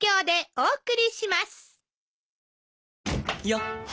よっ！